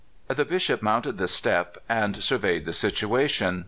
The Bishop mounted the step and surveyed the situation.